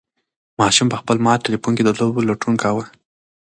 ماشوم په خپل مات تلیفون کې د لوبو لټون کاوه.